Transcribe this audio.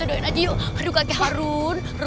aduh kakek harun